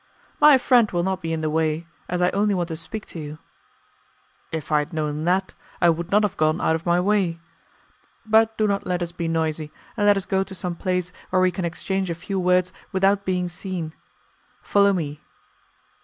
"My friend will not be in the way, as I only want to speak to you." "If I had known that, I would not have gone out of my way. But do not let us be noisy, and let us go to some place where we can exchange a few words without being seen. Follow me."